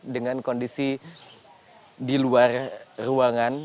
dengan kondisi di luar ruangan